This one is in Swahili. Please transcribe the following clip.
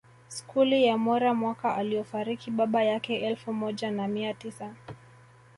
Skuli ya Mwera mwaka aliofariki baba yake elfu moja na mia tisa